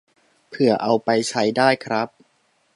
เผื่อเอาไปใช้ได้ครับ